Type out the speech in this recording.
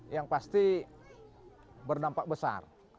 yang pasti berdampak besar